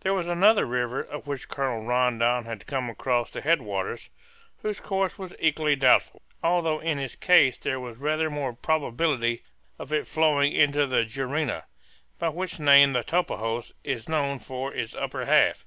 There was another river, of which Colonel Rondon had come across the head waters, whose course was equally doubtful, although in its case there was rather more probability of its flowing into the Juruena, by which name the Tapajos is known for its upper half.